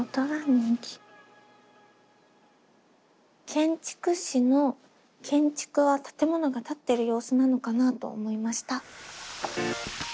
「建築士」の「建築」は建物が建ってる様子なのかなと思いました。